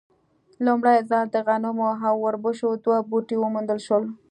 لومړی ځل د غنمو او اوربشو دوه بوټي وموندل شول.